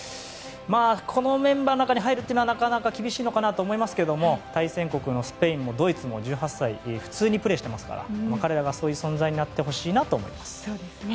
このメンバーの中に入るというのはなかなか厳しいのかなと思いますが対戦国のスペインもドイツも１８歳が普通にプレーしてますから彼らがそういう存在になってほしいなと思います。